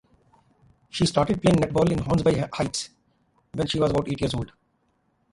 She started playing netball in Hornsby Heights when she was about eight years old.